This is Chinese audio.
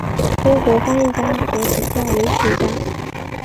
中国翻译家和比较文学家。